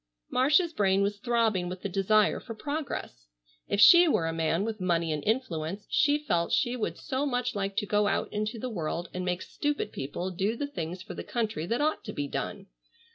Marcia's brain was throbbing with the desire for progress. If she were a man with money and influence she felt she would so much like to go out into the world and make stupid people do the things for the country that ought to be done.